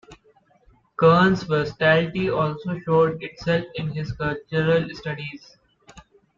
Kern's versatility also showed itself in his cultural studies.